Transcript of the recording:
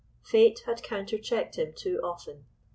Fate had counter checked him too often.